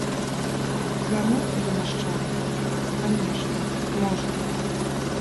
Звярнуцца да нашчадкаў, канешне, можна.